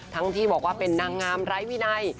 ที่บอกว่าเป็นนางงามไร้วินัย